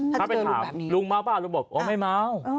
ถ้าเป็นถามลุงม้าวป่ะลุงบอกไม่ม้าว